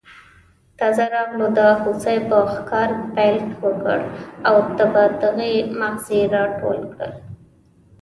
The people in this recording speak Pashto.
تازه راغلو د هوسۍ په ښکار پیل وکړ او نباتي مغز یې راټول کړل.